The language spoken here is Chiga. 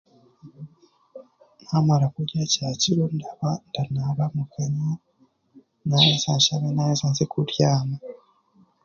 Naamara kurya kyakiro ndaba ndanaaba mukanywa, naaheza nshabe, naaheza nze kubyama.